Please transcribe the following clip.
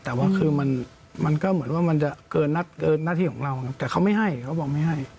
แต่ว่าคือมันก็เหมือนว่ามันจะเกินหน้าที่ของเรานะครับแต่เขาไม่ให้เขาบอกไม่ให้